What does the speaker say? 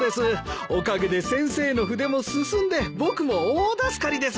おかげで先生の筆も進んで僕も大助かりです。